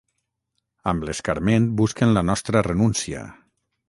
Amb l’escarment busquen la nostra renúncia.